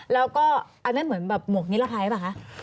แล้วก็อันนั้นเหมือนหมวกนิลภายใช่ไหมคะ